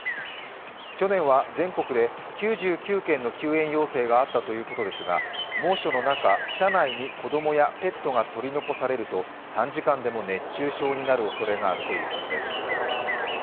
去年は全国で９９件の救援要請があったということですが、猛暑の中、車内に子供やペットが取り残されると、短時間でも熱中症になるおそれがあるということです。